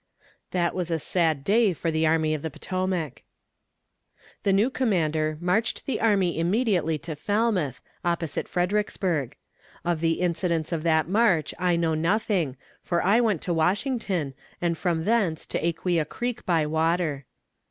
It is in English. That was a sad day for the Army of the Potomac. The new commander marched the army immediately to Falmouth, opposite Fredericksburg. Of the incidents of that march I know nothing, for I went to Washington, and from thence to Aquia Creek by water.